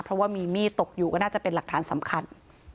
เพราะว่ามีมีดตกอยู่ก็น่าจะเป็นหลักฐานสำคัญ